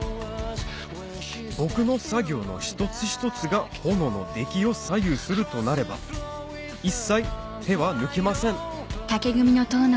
僕の作業の一つ一つが炎の出来を左右するとなれば一切手は抜けません